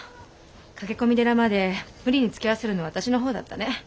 駆け込み寺まで無理につきあわせるのは私のほうだったね。